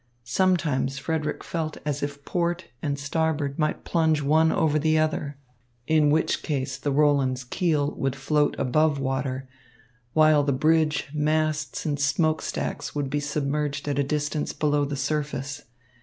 Sometimes Frederick felt as if port and starboard might plunge one over the other; in which case the Roland's keel would float above water, while the bridge, masts, and smoke stacks would be submerged at a distance below the surface.